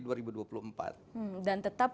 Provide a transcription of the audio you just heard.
dan tetap koalisi terbuka dengan partai marah